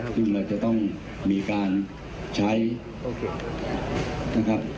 ซึ่งเราจะต้องมีการใช้นะครับ